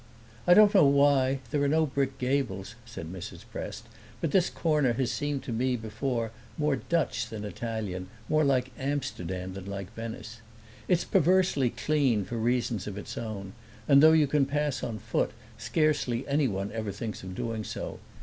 "I don't know why there are no brick gables," said Mrs. Prest, "but this corner has seemed to me before more Dutch than Italian, more like Amsterdam than like Venice. It's perversely clean, for reasons of its own; and though you can pass on foot scarcely anyone ever thinks of doing so.